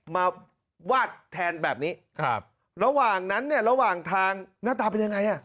มาวาดแทนแบบนี้ครับระหว่างนั้นเนี่ยระหว่างทางหน้าตาเป็นยังไงอ่ะ